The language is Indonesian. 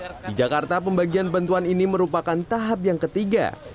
di jakarta pembagian bantuan ini merupakan tahap yang ketiga